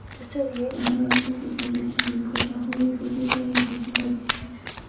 海内外客属社团将近约千名客家后裔会一起聚会并祭拜祖先。